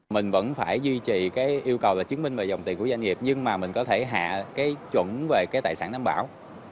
mình vẫn phải duy trì cái yêu cầu là chứng minh về dòng tiền của doanh nghiệp nhưng mà mình có thể hạ cái chuẩn về cái tài sản đảm bảo